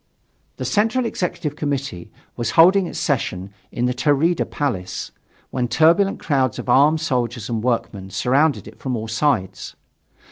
The Central Executive Committee was holding its session in the Taurida Palace, when turbulent crowds of armed soldiers and workmen surrounded it from all sides.